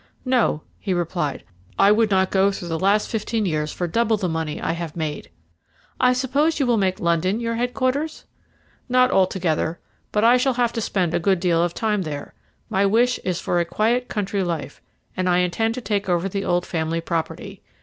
"No," he replied; "I would not go through the last fifteen years for double the money I have made." "I suppose you will make London your headquarters?" "Not altogether; but I shall have to spend a good deal of time there. My wish is for a quiet country life, and I intend to take over the old family property.